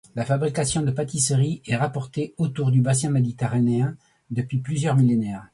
La fabrication de pâtisseries est rapportée autour du bassin méditerranéen depuis plusieurs millénaires.